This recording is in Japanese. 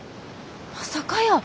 まさかやー。